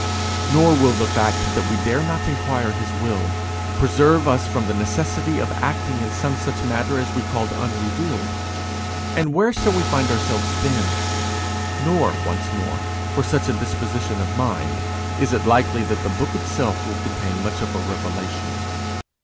Nor will the fact that we dare not inquire his will, preserve us from the necessity of acting in some such matter as we call unrevealed, and where shall we find ourselves then? Nor, once more, for such a disposition of mind is it likely that the book itself will contain much of a revelation.